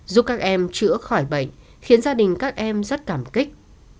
giúp các em chữa khỏi bệnh khiến gia đình các em rất cảm kích